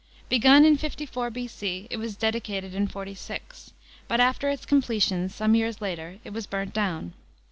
Begun in 54 B.C., it was dedicated in 46 ; but after its com pletion, some years later, it was burnt down.